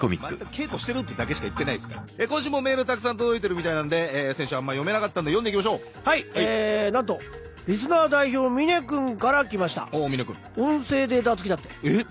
稽古してるってだけしか言ってないですから今週もメールたくさん届いてるみたいなんで先週あんまり読めなかったんで読んでいきましょうはいなんとリスナー代表みね君から来ましたおおーみね君音声データ付きだってえっ？